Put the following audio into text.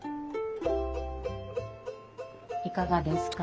いかがですか？